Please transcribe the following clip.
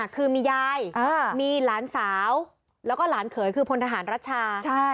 คือมียายมีหลานสาวแล้วก็หลานเขยคือพลทหารรัชชา